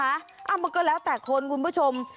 มันก็แล้วแต่คนคุณผู้ชม